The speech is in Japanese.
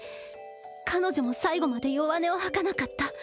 彼女も最後まで弱音を吐かなかった。